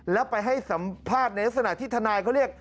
แล้วไปให้สัมภาษณ์ในลักษณะที่ทนายเขาเรียก